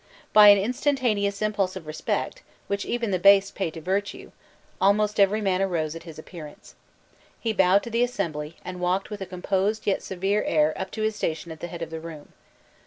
By an instantaneous impulse of respect, which even the base pay to virtue, almost every man arose at his appearance. He bowed to the assembly, and walked, with a composed yet severe air, up to his station at the head of the room.